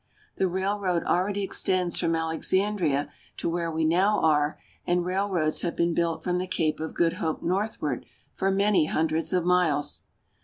The railroad already extends from Alexandria to where we now are, and railroads have been built from the Cape of Good Hope northward for many hundreds of miles.